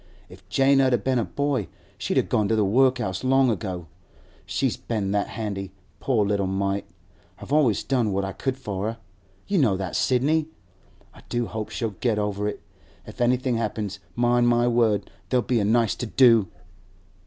If Jane 'ud been a boy, she'd a gone to the workhouse long ago. She's been that handy, poor little mite! I've always done what I could for her; you know that, Sidney. I do hope she'll get over it. If anything happens, mind my word, there'll be a nice to do!